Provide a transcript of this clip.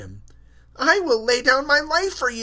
I will lay down my life for thee.